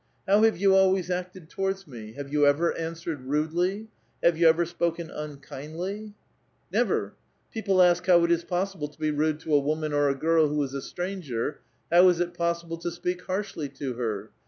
How have you always acted towards me ? Have you ever answered rudely ? have you ever spoken unkindly ? 124 A VITAL QUESTION. Never! People ask how it is possible to be rude to a woinun or a girl who id a stranger ; bow is it possible to speak liarslily to her?